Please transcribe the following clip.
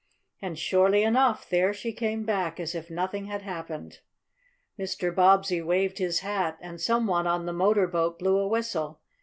And, surely enough, there she came back, as if nothing had happened. Mr. Bobbsey waved his hat and some one on the motor boat blew a whistle.